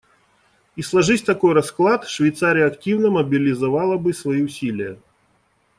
И сложись такой расклад, Швейцария активно мобилизовала бы свои усилия.